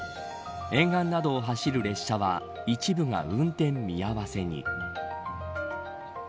沿岸などを走る列車は一部が運転見合わせに。